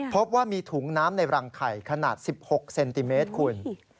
พบว่ามีถุงน้ำในรังไข่ขนาด๑๖เซนติเมตรคุณ